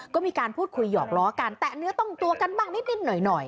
ก็มีการพูดคุยหยอกล้อกันแตะเนื้อต้องตัวกันบ้างนิดหน่อย